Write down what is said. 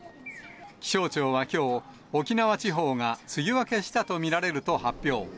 気象庁はきょう、沖縄地方が梅雨明けしたと見られると発表。